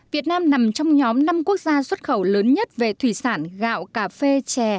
việt nam nằm trong nhóm năm quốc gia xuất khẩu lớn nhất về thủy sản gạo cà phê chè